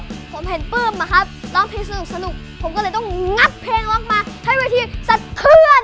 ผมเห็นปลื้มอะครับร้องเพลงสนุกผมก็เลยต้องงัดเพลงออกมาให้เวทีสัดเคลื่อน